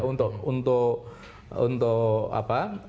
untuk untuk apa